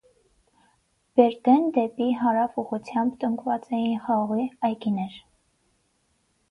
Բերդէն դէպի հարաւ ուղղութեամբ տնկուած էին խաղողի այգիներ։